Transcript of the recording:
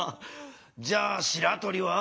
じゃあしらとりは？